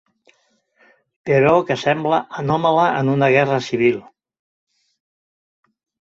Però que sembla anòmala en una guerra civil.